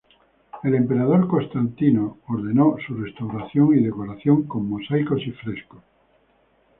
El emperador Constantino V ordenó su restauración y decoración con mosaicos y frescos.